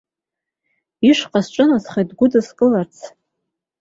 Ишҟа сҿынасхеит дгәыдыскыларц.